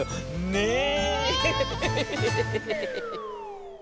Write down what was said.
ねえ。